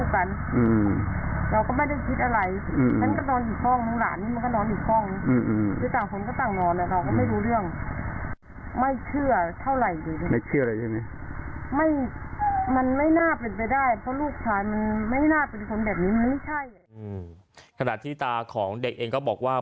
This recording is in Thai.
ขณะที่ตาของเด็กเองก็บอกว่า